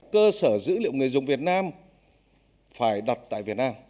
cơ sở dữ liệu người dùng việt nam phải đặt tại việt nam